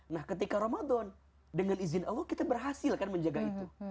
nah ketika ramadan dengan izin allah kita berhasil kan menjaga itu